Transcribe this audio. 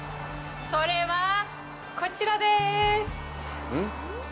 それはこちらです！